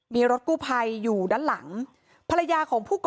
มีรถกู้ไภอยู่ด้านหลัง